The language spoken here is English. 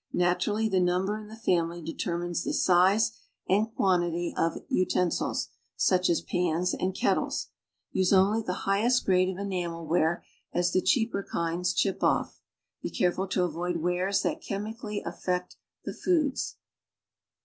Naturally the number in the family determines the size and quantity of utensils, such as pans and kettles. t'se only the highest grade of enamel ware as the cheaper kinds chip off. Be careful to avoid wares that chemically effect the foods.